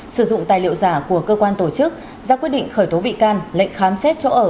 sử dụng tài liệu giả của cơ quan tổ chức ra quyết định khởi tố bị can lệnh khám xét chỗ ở